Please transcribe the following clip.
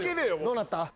どうなった？